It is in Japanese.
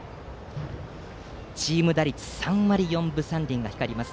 チーム打率３割４分３厘が光ります。